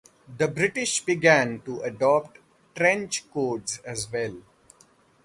The British began to adopt trench codes as well.